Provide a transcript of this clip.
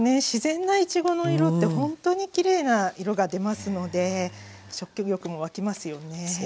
自然ないちごの色ってほんとにきれいな色が出ますので食欲も湧きますよね。